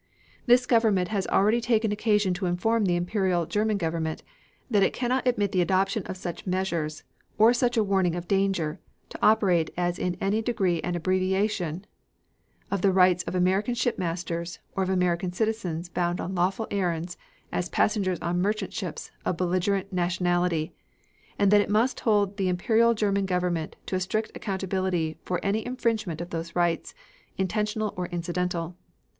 This government has already taken occasion to inform the Imperial German Government that it cannot admit the adoption of such measures or such a warning of danger to operate as in any degree an abbreviation of the rights of American shipmasters or of American citizens bound on lawful errands as passengers on merchant ships of belligerent nationality, and that it must hold the Imperial German Government to a strict accountability for any infringement of those rights, intentional or incidental.